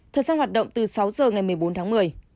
thời gian hoạt động từ sáu giờ ngày một mươi bốn tháng một mươi